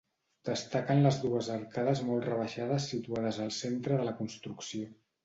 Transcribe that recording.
Destaquen les dues arcades molt rebaixades situades al centre de la construcció.